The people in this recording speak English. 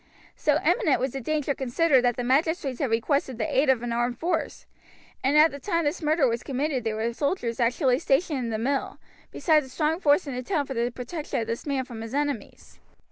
So imminent was the danger considered that the magistrates had requested the aid of an armed force, and at the tame this murder was committed there were soldiers actually stationed in the mill, besides a strong force in the town for the protection of this man from his enemies.